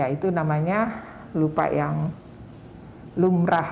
itu namanya lupa yang lumrah